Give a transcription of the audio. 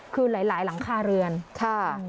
คือหลายหลังคาเรือนค่ะ